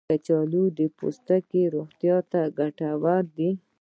کچالو د پوستکي روغتیا ته ګټور دی.